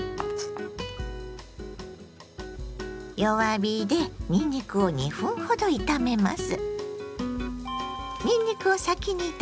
弱火でにんにくを２分ほど炒めます。